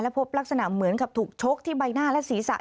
พบลักษณะเหมือนกับถูกชกที่ใบหน้าและศีรษะ